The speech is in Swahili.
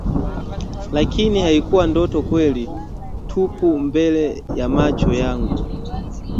lakini haikuwa ndoto kweli tupu mbele ya macho yangu